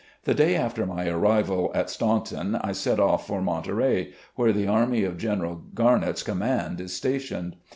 The day after my arrival at Staun ton, I set off for Monterey, where the army of General Garnett's command is stationed.